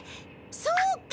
そうか！